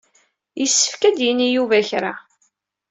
Yessefk ad d-yini Yuba kra.